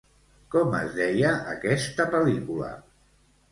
Com es deia aquesta pel·lícula?